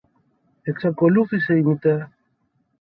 εξακολούθησε η μητέρα.